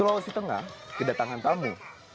sulawesi tengah kedatangan tamu